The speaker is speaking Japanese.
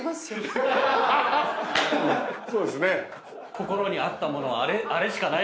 心にあったものはあれしかない。